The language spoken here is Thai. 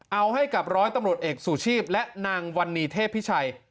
เอาให้กับร้อยตำรวจเอกสุชีพและนางวันนีเทพพิชัย